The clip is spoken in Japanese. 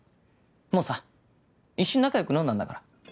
もうさ一緒に仲良く飲んだんだから。